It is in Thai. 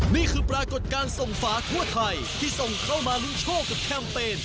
นี่คือปรากฏการณ์ส่งฝาทั่วไทยที่ส่งเข้ามาลุ้นโชคกับแคมเปญ